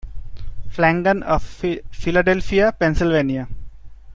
Flanagan of Philadelphia, Pennsylvania.